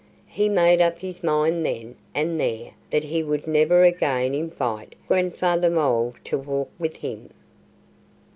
He made up his mind then and there that he would never again invite Grandfather Mole to walk with him.